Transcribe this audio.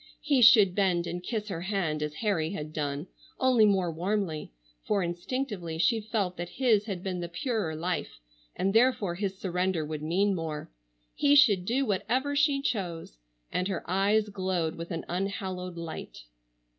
He should bend and kiss her hand as Harry had done, only more warmly, for instinctively she felt that his had been the purer life and therefore his surrender would mean more. He should do whatever she chose. And her eyes glowed with an unhallowed light.